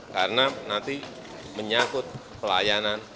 karena nanti menyakut pelayanan